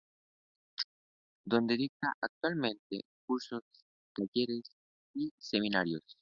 Donde dicta, actualmente, cursos, talleres y seminarios.